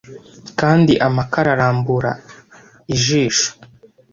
kandi amakara arambura ijisho